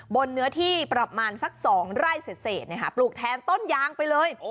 เนื้อที่ประมาณสัก๒ไร่เศษปลูกแทนต้นยางไปเลย